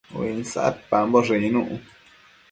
Uinsadpamboshë icnuc